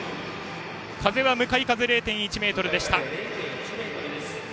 風は向かい風０．１メートルでした。